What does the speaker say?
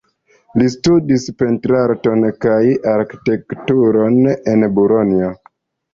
Li studis pentrarton kaj arkitekturon en Bolonjo.